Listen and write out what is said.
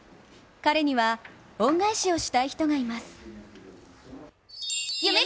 彼には、恩返しをしたい人がいます。